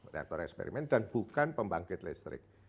reaktor eksperimen dan bukan pembangkit listrik